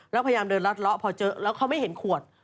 แล้วพยายามเดินรัดเลาะพอเจอแล้วเขาไม่เห็นขวด